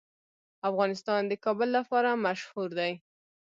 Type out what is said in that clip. افغانستان د کابل لپاره مشهور دی.